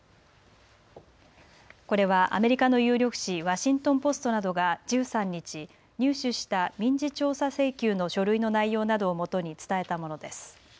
これはアメリカの有力紙、ワシントン・ポストなどが１３日、入手した民事調査請求の書類の内容などをもとに伝えたものです。